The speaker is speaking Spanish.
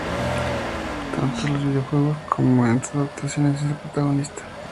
Tanto en los videojuegos como en sus adaptaciones, es el protagonista.